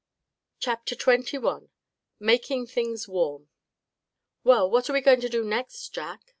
CHAPTER XXI MAKING THINGS WARM "Well, what are we going to do next, Jack?"